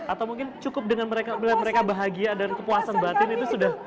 atau mungkin cukup dengan mereka bahagia dan kepuasan batin itu sudah